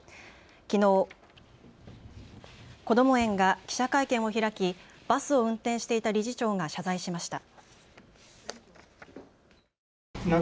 きのう、こども園が記者会見を開きバスを運転していた理事長が謝罪しました。